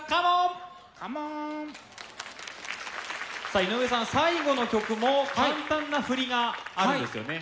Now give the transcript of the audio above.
さあ井上さん最後の曲も簡単な振りがあるんですよね。